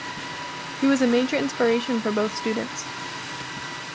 He was a major inspiration for both students.